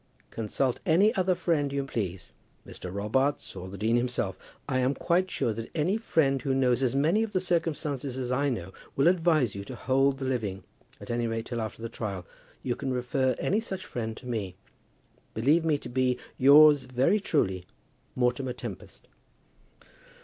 Consult any other friend you please; Mr. Robarts, or the dean himself. I am quite sure that any friend who knows as many of the circumstances as I know will advise you to hold the living, at any rate till after the trial. You can refer any such friend to me. Believe me to be, yours very truly, MORTIMER TEMPEST.